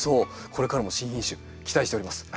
これからも新品種期待しております。